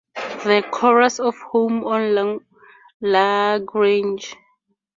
The chorus of "Home On Lagrange:"